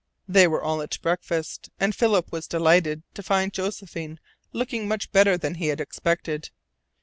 They were all at breakfast, and Philip was delighted to find Josephine looking much better than he had expected.